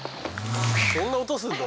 そんな音するの！